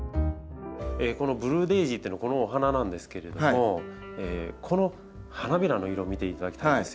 このブルーデージーっていうのはこのお花なんですけれどもこの花びらの色見ていただきたいんですよ。